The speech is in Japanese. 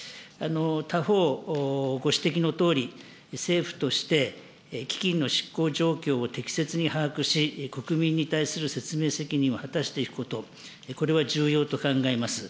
他方、ご指摘のとおり、政府として基金の執行状況を適切に把握し、国民に対する説明責任を果たしていくこと、これは重要と考えます。